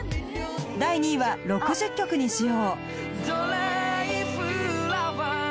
第２位は６０曲に使用